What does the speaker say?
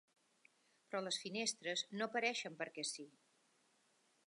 Però les finestres no apareixen perquè sí.